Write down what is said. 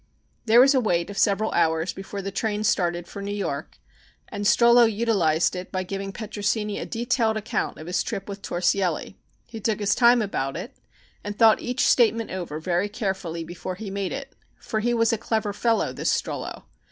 There was a wait of several hours before the train started for New York and Strollo utilized it by giving Petrosini a detailed account of his trip with Torsielli. He took his time about it and thought each statement over very carefully before he made it, for he was a clever fellow, this Strollo.